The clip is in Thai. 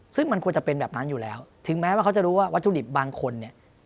ซึ่งมันควรจะเป็นแบบนั้นอยู่แล้วถึงแม้ว่าเขาจะรู้ว่าวัตถุดิบบางคนเนี่ย